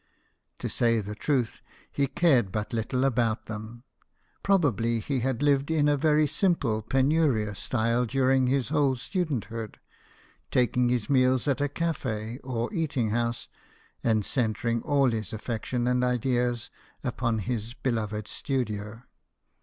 To say the truth, he cared but little about them. Probably he had lived in a very simple penurious style during his whole studenthood, taking his meals at a caff<* m eating house, and centering all his affection and ideas upon his beloved studio.